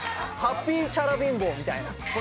ハッピーチャラ貧乏みたいな。